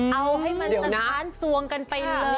เอาให้มันสะท้านสวงกันไปเลย